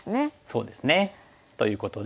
そうですね。ということで。